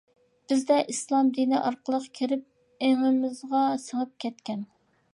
بىزدە ئىسلام دىنىي ئارقىلىق كىرىپ ئېڭىمىزغا سىڭىپ كەتكەن.